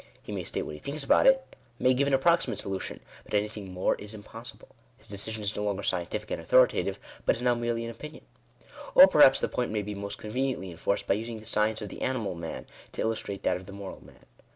He may state what he thinks about it — may give an approximate solution ; but anything more is im possible. His decision is no longer scientific and authorita tive, but is now merely an opinion. Or perhaps the point may be most conveniently enforced, by using the science of the animal man, to illustrate that of the moral man.